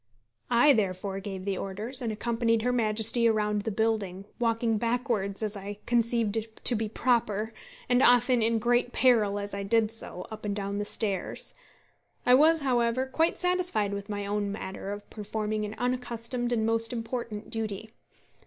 I therefore gave the orders, and accompanied her Majesty around the building, walking backwards, as I conceived to be proper, and often in great peril as I did so, up and down the stairs. I was, however, quite satisfied with my own manner of performing an unaccustomed and most important duty.